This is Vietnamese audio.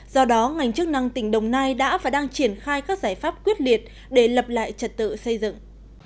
do đó ngành chức năng tỉnh đồng nai đã và đang triển khai các giải pháp quyết liệt để lập lại trật tự xây dựng